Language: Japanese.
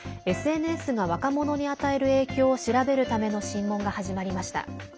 ＳＮＳが若者に与える影響を調べるための審問が始まりました。